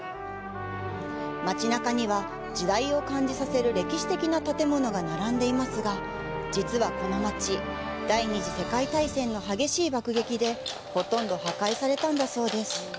街中には、時代を感じさせる歴史的な建物が並んでいますが、実はこの街、第二次世界大戦の激しい爆撃でほとんど破壊されたんだそうです。